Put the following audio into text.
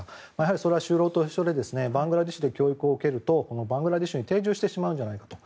それは就労と一緒でバングラデシュで教育を受けるとバングラデシュに定住してしまうんじゃないかと。